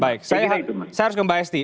baik saya harus ke mbak esti